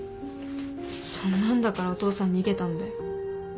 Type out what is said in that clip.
そんなんだからお父さん逃げたんだよ。